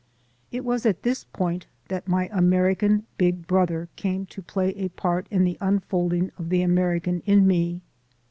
It was at this point that my American "Big Brother" came to play a part in the unfolding of the American in me.